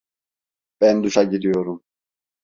Ben duşa giriyorum.